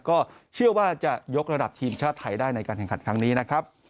ก็เชื่อว่าจะยกระดับทีมชาติไทยได้ในการแข่งขันครั้งนี้นะครับ